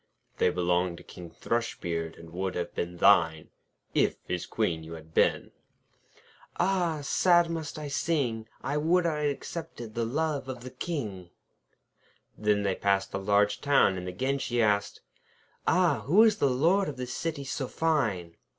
'They belong to King Thrushbeard, and would have been thine, If his Queen you had been.' 'Ah! sad must I sing! I would I'd accepted the love of the King.' Then they passed through a large town, and again she asked: 'Ah! who is the Lord of this city so fine?'